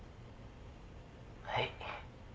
☎はい。